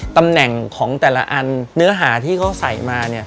ตำแหน่งของแต่ละอันเนื้อหาที่เขาใส่มาเนี่ย